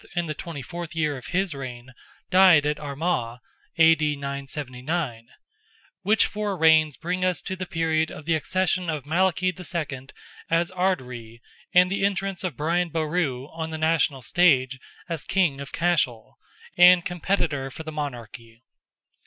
in the twenty fourth year of his reign, died at Armagh, (A.D. 979); which four reigns bring us to the period of the accession of Malachy II. as Ard Righ, and the entrance of Brian Boru, on the national stage, as King of Cashel, and competitor for the monarchy.